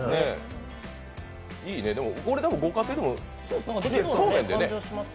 いいね、これ、ご家庭でもそうめんでね。